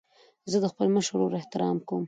زه د خپل مشر ورور احترام کوم.